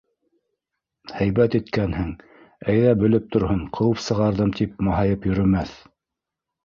- Һәйбәт иткәнһең, әйҙә, белеп торһон, ҡыуып сығарҙым, тип маһайып йөрөмәҫ.